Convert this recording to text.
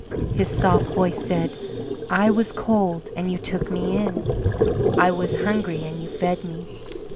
His soft voice said: "I was cold and you took Me in. I was hungry and you fed Me.